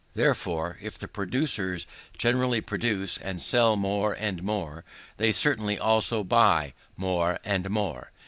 Therefore, if the producers generally produce and sell more and more, they certainly also buy more and more.